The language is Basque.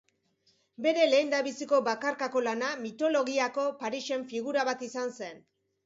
Bere lehendabiziko bakarkako lana mitologiako Parisen figura bat izan zen.